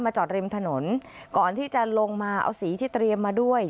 จอดริมถนนก่อนที่จะลงมาเอาสีที่เตรียมมาด้วย